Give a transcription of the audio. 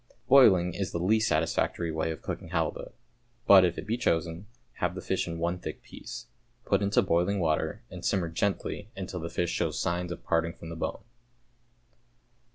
Boiling is the least satisfactory way of cooking halibut, but if it be chosen, have the fish in one thick piece. Put into boiling water, and simmer gently until the fish shows signs of parting from the bone.